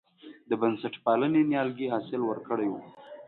د بنسټپالنې نیالګي حاصل ورکړی و.